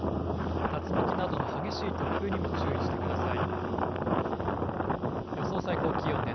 竜巻などの激しい突風にも注意してください。